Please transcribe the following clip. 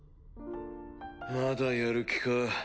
まだやる気か？